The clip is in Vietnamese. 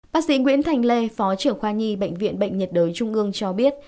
bác sĩ nguyễn thành lê phó trưởng khoa nhi bệnh viện bệnh nhiệt đới trung ương cho biết